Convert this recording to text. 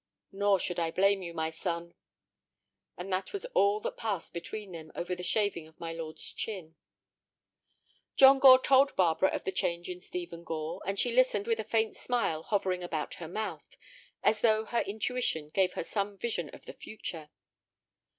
"Nor should I blame you, my son." And that was all that passed between them over the shaving of my lord's chin. John Gore told Barbara of the change in Stephen Gore, and she listened with a faint smile hovering about her mouth, as though her intuition gave her some vision of the future.